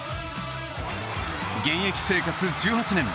現役生活１８年。